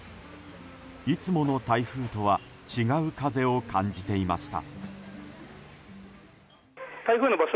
いつもの台風とは違う風を感じていました。